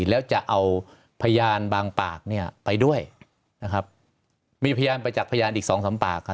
แล้วจะเอาพยานบางปากเนี่ยไปด้วยนะครับมีพยานประจักษ์พยานอีกสองสามปากครับ